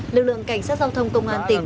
lực lượng cảnh sát giao thông công an tỉnh